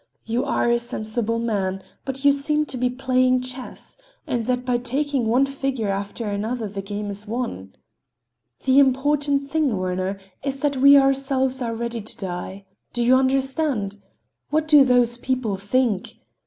You are a sensible man, but you seem to be playing chess, and that by taking one figure after another the game is won. The important thing, Werner, is that we ourselves are ready to die. Do you understand? What do those people think?